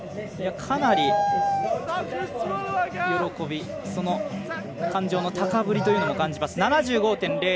かなり喜びその感情の高ぶりというのも感じます。